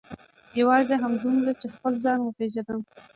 یوازې همدومره چې خپل ځان وپېژنم.